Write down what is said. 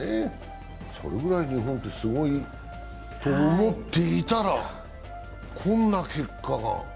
それぐらい日本ってすごいと思っていたらこんな結果が。